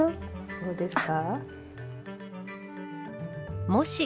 どうですか？